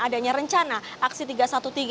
adanya rencana aksi tiga ratus tiga belas